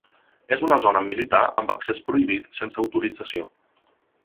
És una zona militar amb accés prohibit sense autorització.